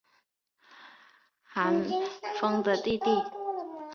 韩绛的弟弟。